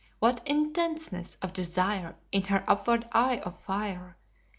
What intentness of desire In her upward eye of fire!